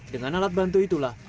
dengan alat bantu itulah